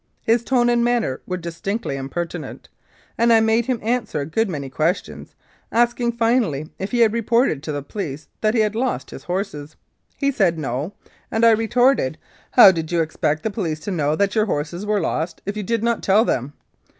His tone and manner were distinctly impertinent, and I made him answer a good many questions, asking finally if he had reported to the police that he had lost his horses. He said, "No," and I retorted, " How did you expect the police to know that your horses were lost if you did not tell them